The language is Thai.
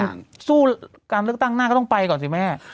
สู้การเลือกตั้งหน้าก็ต้องไปก่อนสิแม่